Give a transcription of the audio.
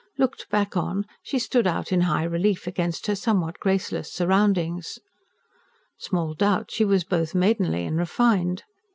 Looked back on, she stood out in high relief against her somewhat graceless surroundings. Small doubt she was both maidenly and refined.